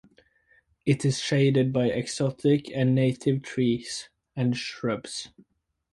It is shaded by exotic and native trees and shrubs.